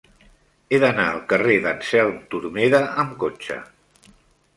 He d'anar al carrer d'Anselm Turmeda amb cotxe.